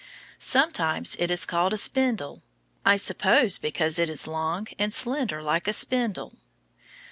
Sometimes it is called a spindle, I suppose because it is long and slender like a spindle.